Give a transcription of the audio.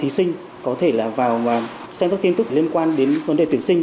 thí sinh có thể là vào xem các tin tức liên quan đến vấn đề tuyển sinh